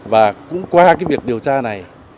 và cũng qua cái việc điều tra này